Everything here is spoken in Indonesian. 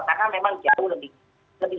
karena memang jauh lebih